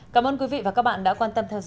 cảm ơn quý vị và các bạn đã quan tâm theo dõi